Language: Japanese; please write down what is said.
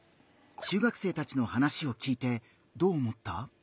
中学生たちの話を聞いてどう思った？